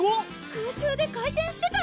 空中で回転してたよ！